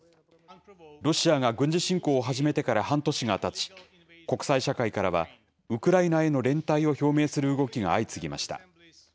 ロシアが軍事侵攻を始めてから半年がたち、国際社会からはウクライナへの連帯を表明する動きが相次ぎました。